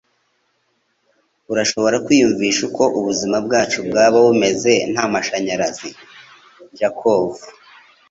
Urashobora kwiyumvisha uko ubuzima bwacu bwaba bumeze nta mashanyarazi? (jakov)